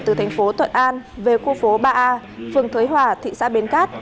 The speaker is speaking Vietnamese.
từ thành phố thuận an về khu phố ba a phường thới hòa thị xã bến cát